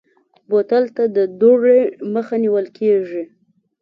بوتل ته د دوړې ننوتو مخه نیول کېږي.